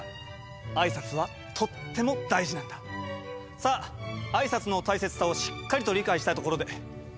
さああいさつの大切さをしっかりと理解したところでこちらをご覧頂こう。